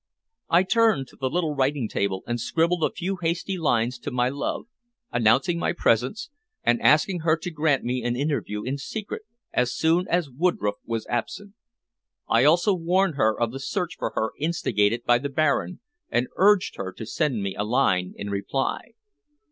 I turned to the little writing table and scribbled a few hasty lines to my love, announcing my presence, and asking her to grant me an interview in secret as soon as Woodroffe was absent. I also warned her of the search for her instigated by the Baron, and urged her to send me a line in reply.